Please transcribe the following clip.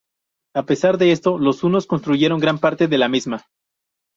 A pesar de esto, los hunos destruyeron gran parte de la misma.